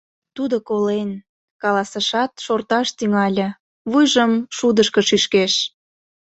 — Тудо колен, — каласышат, шорташ тӱҥале, вуйжым шудышко шӱшкеш.